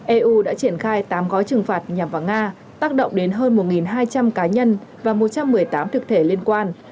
eu đã triển khai tám gói trừng phạt nhằm vào nga tác động đến hơn một hai trăm linh cá nhân và một trăm một mươi tám thực thể liên quan